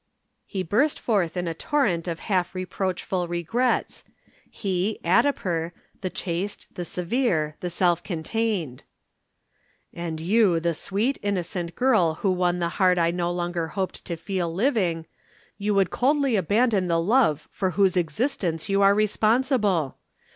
He burst forth in a torrent of half reproachful regrets he, Addiper, the chaste, the severe, the self contained. "And you the sweet, innocent girl who won the heart I no longer hoped to feel living, you would coldly abandon the love for whose existence you are responsible!